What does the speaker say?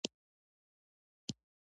د ماشیني او الګوریتمیکي نړۍ څخه لیري